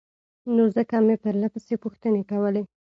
نو ځکه مې پرلهپسې پوښتنې کولې